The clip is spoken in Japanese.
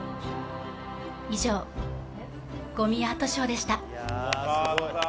以上、ごみアートショーでした。